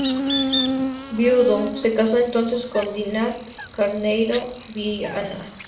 Viudo, se casó, entonces, con Dinah Carneiro Vianna.